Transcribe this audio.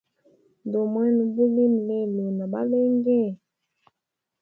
Ndomwena ubulimi lelo na balenge?